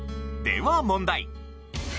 では問題。